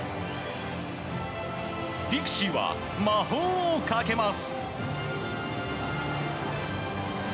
ピクシーは魔法をかけます。